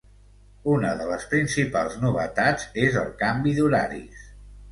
Una de les principals novetats és el canvi d’horaris.